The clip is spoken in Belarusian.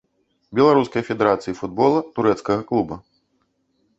Беларускай федэрацыі футбола, турэцкага клуба.